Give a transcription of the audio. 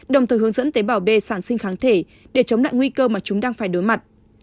đồng thời hướng dẫn tế bào b sản sinh kháng thể để chống lại nguy cơ mà chúng đang phải đối mặt